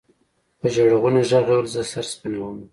په ژړغوني ږغ يې ويل زه سر سپينومه.